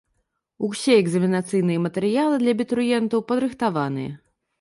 Усе экзаменацыйныя матэрыялы для абітурыентаў падрыхтаваныя.